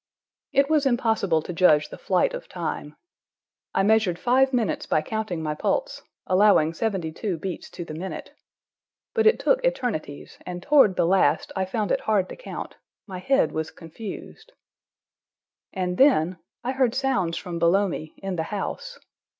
It was impossible to judge the flight of time. I measured five minutes by counting my pulse, allowing seventy two beats to the minute. But it took eternities, and toward the last I found it hard to count; my head was confused. And then—I heard sounds from below me, in the house.